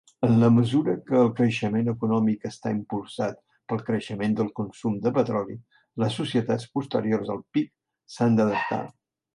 En la mesura que el creixement econòmic està impulsat pel creixement del consum de petroli, les societats posteriors al pic s'han d'adaptar.